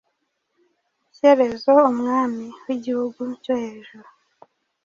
Shyerezo, Umwami w'igihugu cyo Hejuru,